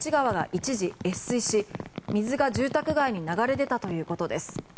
一時越水し水が住宅街に流れ出たということです。